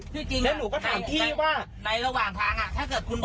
เมื่อเวลานี้ทำไมหากิน